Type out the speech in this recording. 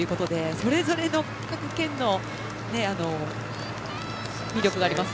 それぞれの各県の魅力があります。